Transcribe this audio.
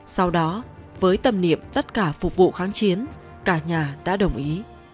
sau đó với tầm niệm tất cả phục vụ kháng chiến cả nhà đã đồng ý